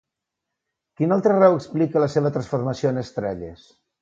Quina altra raó explica la seva transformació en estrelles?